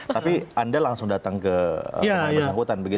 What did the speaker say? tapi anda langsung datang ke pemain persangkutan begitu ya